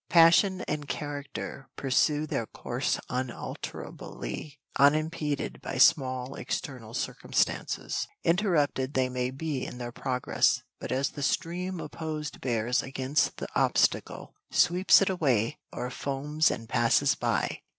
Passion and character pursue their course unalterably, unimpeded by small external circumstances; interrupted they may be in their progress, but as the stream opposed bears against the obstacle, sweeps it away, or foams and passes by.